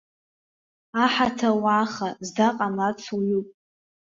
Аҳаҭа уааха, зда ҟамлац ҩуп.